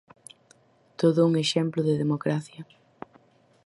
Todo un exemplo de democracia.